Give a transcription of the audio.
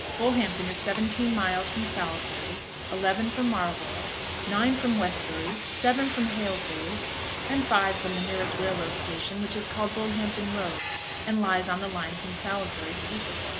Bullhampton is seventeen miles from Salisbury, eleven from Marlborough, nine from Westbury, seven from Haylesbury, and five from the nearest railroad station, which is called Bullhampton Road, and lies on the line from Salisbury to Yeovil.